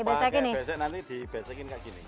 pakai besek nanti dibesekin kayak gini